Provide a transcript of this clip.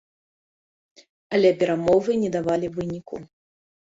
Але перамовы не давалі выніку.